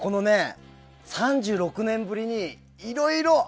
３６年ぶりにいろいろ。